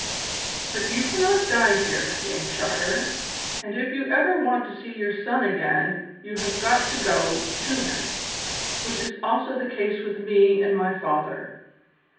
"But you cannot die here, Dame Charter; and if you ever want to see your son again you have got to go to him. Which is also the case with me and my father.